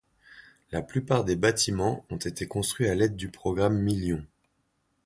La plupart des bâtiments ont été construits à l'aide du Programme million.